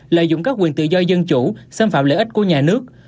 lợi dụng các quyền tự do dân chủ xâm phạm lợi ích của nhà nước